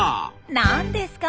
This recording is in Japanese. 何ですか？